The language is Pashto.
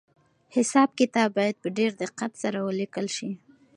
حساب کتاب باید په ډېر دقت سره ولیکل شي.